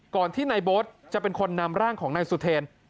ที่นายโบ๊ทจะเป็นคนนำร่างของนายสุเทรน